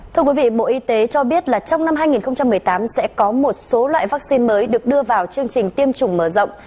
thưa quý vị bộ y tế cho biết là trong năm hai nghìn một mươi tám sẽ có một số loại vaccine mới được đưa vào chương trình tiêm chủng mở rộng